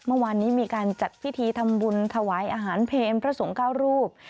เมื่อวานนี้มีการจัดพิธีทำบุญถวายอาหารเพลพระสงฆ์เก้ารูป